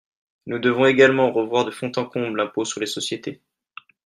Nous devons également revoir de fond en comble l’impôt sur les sociétés.